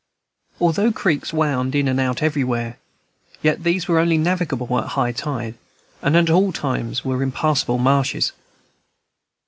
Although creeks wound in and out everywhere, yet these were only navigable at high tide, and at all other times were impassable marshes.